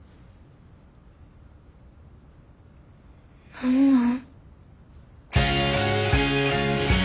何なん？